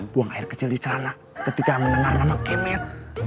buang air kecil di sana ketika mendengar nama kemet